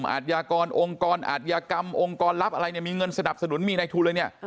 อาทยากรองค์กรอาธิกรรมองค์กรลับอะไรเนี่ยมีเงินสนับสนุนมีในทุนเลยเนี่ย